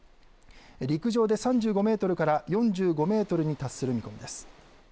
陸上で３５メートルから４５メートルに達する見込みです。